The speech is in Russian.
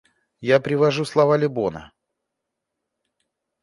Я привожу слова Лебона.